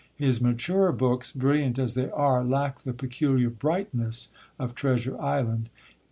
His maturer books, brilliant as they are, lack the peculiar brightness of Treasure Island.